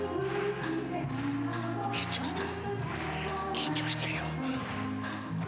緊張してる。